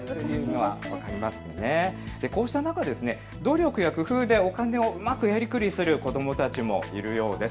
こうした中、努力や工夫でお金をうまくやりくりする子どもたちもいるようです。